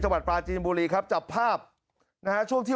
จันทร์ปลาจีนบุรีครับจับภาพช่วงที่